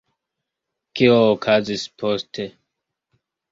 Kio okazis poste?